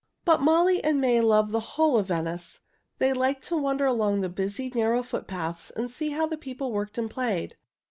But Molly and May loved the whole of Venice. They liked to wander along the busy, narrow footpaths and see how the people worked and played.